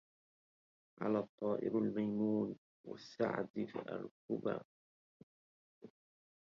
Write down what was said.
على الطائر الميمون والسعد فاركب